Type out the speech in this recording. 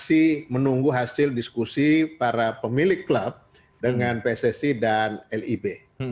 masih menunggu hasil diskusi para pemilik klub dengan pssi dan lib